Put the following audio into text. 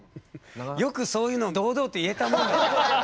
よくそういうのを堂々と言えたもんだよね。